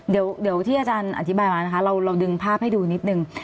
เดี๋ยวที่อาจารย์อธิบายมานะคะเราดึงภาพให้ดูนิดนึง